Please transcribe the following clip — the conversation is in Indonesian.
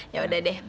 ya udah deh